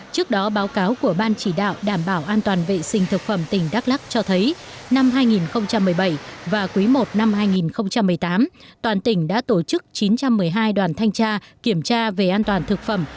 trước đó báo cáo của ban chỉ đạo đảm bảo an toàn vệ sinh thực phẩm tỉnh đắk lắc cho thấy năm hai nghìn một mươi bảy và quý i năm hai nghìn một mươi tám toàn tỉnh đã tổ chức chín trăm một mươi hai đoàn thanh tra kiểm tra về an toàn thực phẩm